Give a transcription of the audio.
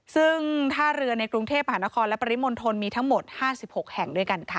ซึ่งท่าเรือในกรุงเทพหานครและปริมณฑลมีทั้งหมด๕๖แห่งด้วยกันค่ะ